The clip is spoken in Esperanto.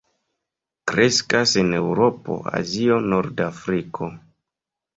Kreskas en Eŭropo, Azio, norda Afriko.